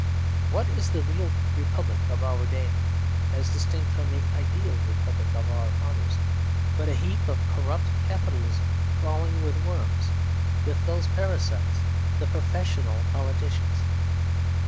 What is the real Republic of our day as distinct from the ideal Republic of our fathers, but a heap of corrupt capitalism crawling with worms; with those parasites, the professional politicians?